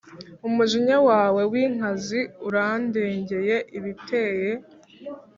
Umujinya wawe w inkazi urandengeye Ibiteye